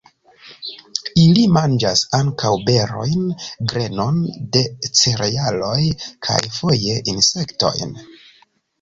Ili manĝas ankaŭ berojn, grenon de cerealoj kaj foje insektojn.